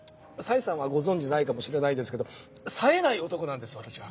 紗枝さんはご存じないかもしれないですけどさえない男なんです私は。